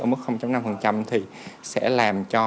ở mức năm thì sẽ làm cho